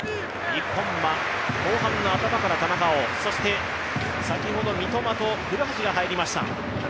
日本は後半の頭から田中碧、そして先ほど三笘と古橋が入りました。